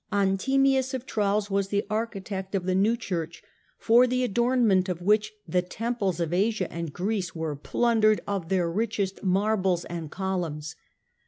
Anthemius of Tralles was the architect of the new church, for the adornment :>f which the temples of Asia and of Greece were plundered of their richest marbles and columns.